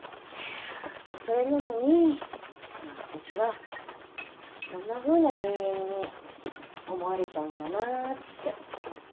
それなのに私はそんなふうな人間に思われちゃうんだなって。